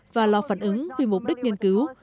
và lo phản ứng vì mục đích nghiên cứu